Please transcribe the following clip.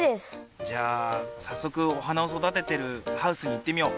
じゃあさっそくお花を育ててるハウスにいってみよう。